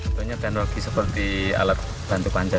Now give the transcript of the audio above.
alat ini memiliki alat penerogi seperti alat bantu panjat